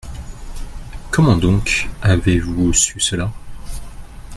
Comment donc avez-vous su cela ?